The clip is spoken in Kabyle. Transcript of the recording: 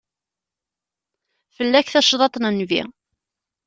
Fell-ak tacḍaḍt n Nnbi.